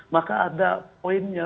maka ada poinnya